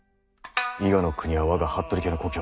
伊賀国は我が服部家の故郷。